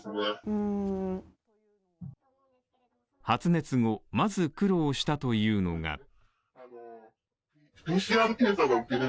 発熱後、まず苦労したというのが